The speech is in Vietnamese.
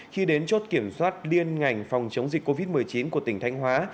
khi đến chốt kiểm soát liên ngành phòng chống dịch covid một mươi chín của tỉnh thanh hóa